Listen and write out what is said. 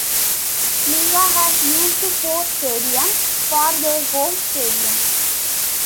Liga has used four stadiums for their home stadium.